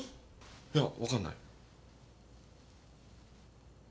いやわかんない。